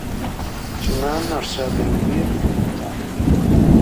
Two men are serving beer from a tap.